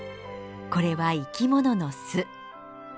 これは生き物の巣。